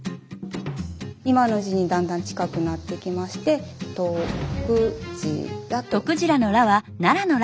今の字にだんだん近くなってきまして「徳次良」と。